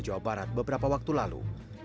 jawa barat beberapa waktu lalu